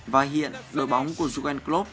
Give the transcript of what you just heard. và hiện đội bóng của juventus